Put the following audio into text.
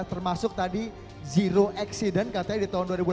termasuk tadi zero accident katanya di tahun dua ribu delapan belas